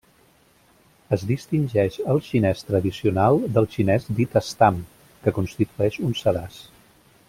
Es distingeix el xinès tradicional del xinès dit estam, que constitueix un sedàs.